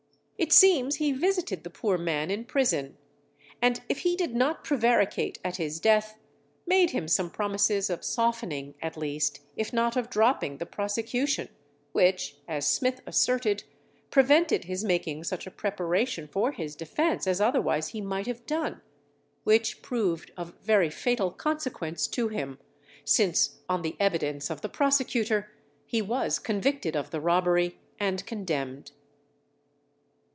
It seems he visited the poor man in prison, and if he did not prevaricate at his death, made him some promises of softening at least, if not of dropping the prosecution, which, as Smith asserted, prevented his making such a preparation for his defence as otherwise he might have done; which proved of very fatal consequence to him, since on the evidence of the prosecutor he was convicted of the robbery and condemned.